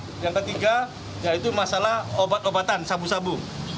yang ketiga yaitu masalah obat obatan sabu sabu